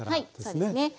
はいそうですね。